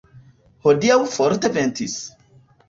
Hodiaŭ forte ventis.